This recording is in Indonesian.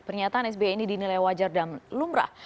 pernyataan sbi ini dinilai wajar dan lumrah